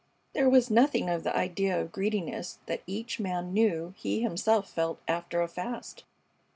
There was nothing of the idea of greediness that each man knew he himself felt after a fast.